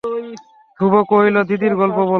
ধ্রুব কহিল, দিদির গল্প বলো।